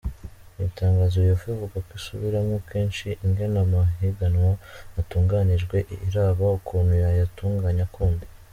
Mw'itangazo, Uefa ivuga ko "isubiramwo kenshi ingene amahiganwa atunganijwe, iraba ukuntu yoyatunganya kundi".